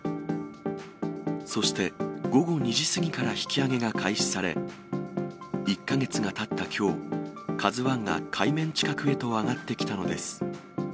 そして、午後２時過ぎから引き揚げが開始され、１か月がたったきょう、ＫＡＺＵＩが海面近くへと上がってきたのです。